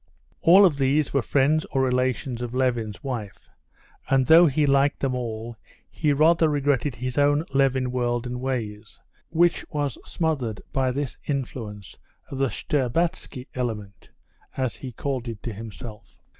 All of these were friends or relations of Levin's wife. And though he liked them all, he rather regretted his own Levin world and ways, which was smothered by this influx of the "Shtcherbatsky element," as he called it to himself.